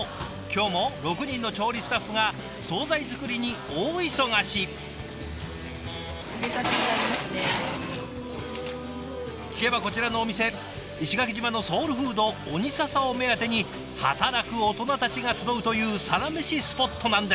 今日も６人の調理スタッフが総菜作りに大忙し聞けばこちらのお店石垣島のソウルフードオニササを目当てに働くオトナたちが集うというサラメシスポットなんです！